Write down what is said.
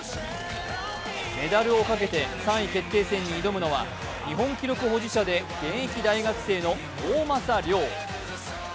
メダルをかけて３位決定戦に挑むのは日本記録保持者で現役大学生の大政涼。